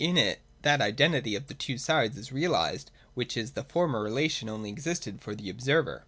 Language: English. In it that identity of the two sides is realised, which in the former relation only existed for the observer.